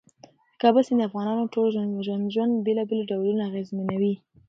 د کابل سیند د افغانانو ژوند په بېلابېلو ډولونو اغېزمنوي.